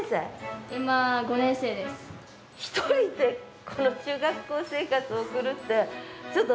１人でこの中学校生活を送るってそう。